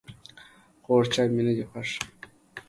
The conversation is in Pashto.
خوږ چای مي نده خوښ